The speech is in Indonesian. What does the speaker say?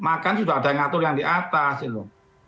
makan sudah ada yang ngatur yang di atas gitu